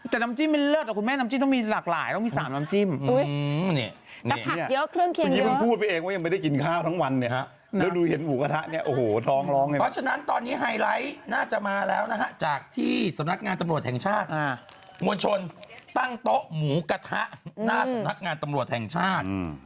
แต่น้ำจิ้มเป็นเลิศหรอคุณแม่น้ำจิ้มต้องมีหลากหลายต้องมี๓น้ำจิ้มอุ๊ยนี่นี่พักเยอะเครื่องเคียงเยอะพูดไปเองว่ายังไม่ได้กินข้าวทั้งวันเนี่ยแล้วดูเห็นหมูกระทะเนี่ยโอ้โหท้องร้องเห็นไหมเพราะฉะนั้นตอนนี้ไฮไลท์น่าจะ